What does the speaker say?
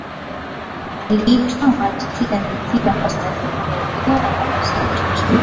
aliitwa malkia bikira kwa sababu hakuolewa na hakuzaa watoto